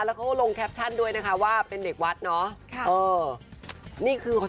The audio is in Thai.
แล้วเขาก็ลงแคปชั่นด้วยนะคะว่าเป็นเด็กวัดเนาะ